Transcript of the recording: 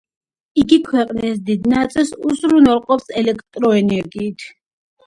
იგი ქვეყნის დიდ ნაწილს უზრუნველყოფს ელექტროენერგიით.